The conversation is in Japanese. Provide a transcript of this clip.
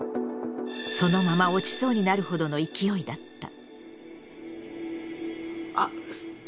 そのまま落ちそうになるほどの勢いだった。